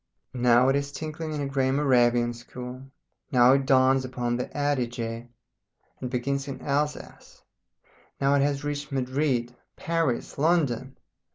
Now it is tinkling in a grey Moravian school, now it dawns upon the Adige and begins in Alsace, now it has reached Madrid, Paris, London.